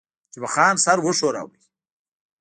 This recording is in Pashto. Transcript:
جمعه خان سر وښوراوه.